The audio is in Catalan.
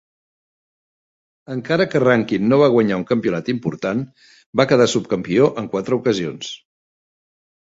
Encara que Rankin no va guanyar un campionat important, va quedar subcampió en quatre ocasions.